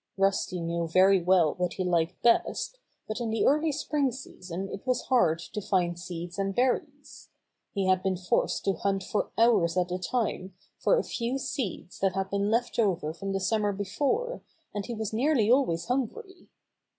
Rusty knew very well what he liked best, but in the early spring season it was hard to find seeds and berries. He had been forced to hunt for hours at a time for a few seeds that had been left over from the summer be fore, and he was nearly always hungry.